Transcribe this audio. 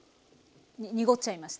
濁っちゃいました。